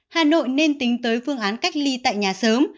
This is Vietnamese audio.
hà nội nên tính tới phương án cách ly tại nhà sớm